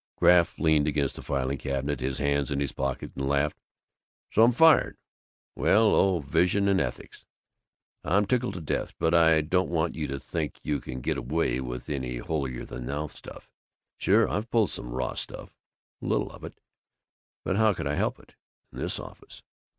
Graff leaned against the filing cabinet, his hands in his pockets, and laughed. "So I'm fired! Well, old Vision and Ethics, I'm tickled to death! But I don't want you to think you can get away with any holier than thou stuff. Sure I've pulled some raw stuff a little of it but how could I help it, in this office?"